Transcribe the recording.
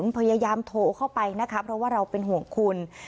พยายามโทรเข้าไปนะคะเพราะว่าเราเป็นห่วงคุณ